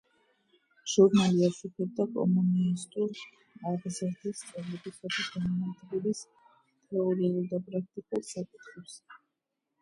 ჟურნალი აშუქებდა კომუნისტური აღზრდის, სწავლებისა და განათლების თეორიულ და პრაქტიკულ საკითხებს.